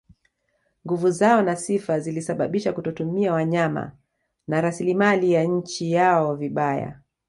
Nguvu zao na sifa zilisababisha kutotumia wanyama na rasilimali ya nchi yao vibaya